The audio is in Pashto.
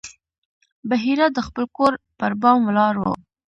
بحیرا د خپل کور پر بام ولاړ و.